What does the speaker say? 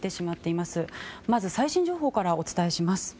まず最新情報からお伝えします。